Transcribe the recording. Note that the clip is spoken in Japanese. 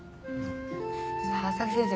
佐々木先生